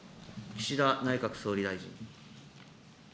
岸田内閣総理大臣。